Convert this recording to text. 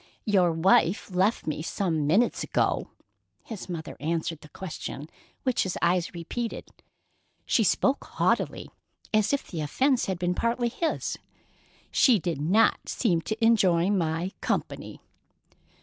"Your wife left me some minutes ago," his mother answered the question which his eyes repeated. She spoke haughtily, as if the offence had been partly his. "She did not seem to enjoy my company."